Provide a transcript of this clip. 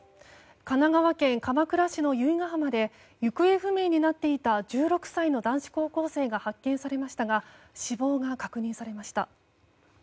神奈川県鎌倉市の由比ガ浜で行方不明になっていた１６歳の男子高校生が発見されましたが死亡が確認されました。